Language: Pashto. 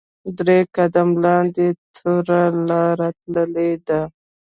درې قدمه لاندې توره لاره تللې ده.